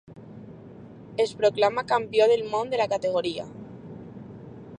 Es proclama campió del món de la categoria.